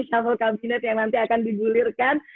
reshuffle ini adalah reshuffle yang akan dikonsumsi oleh kfb